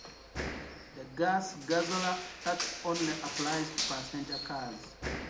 The Gas Guzzler Tax only applies to passenger cars.